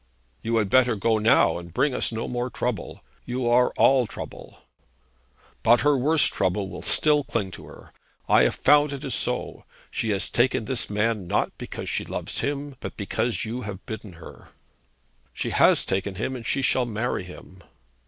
'You had better go now, and bring us no more trouble. You are all trouble.' 'But her worst trouble will still cling to her. I have found that it is so. She has taken this man not because she loves him, but because you have bidden her.' 'She has taken him, and she shall marry him.'